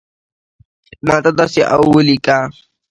ماته داسی اولیکه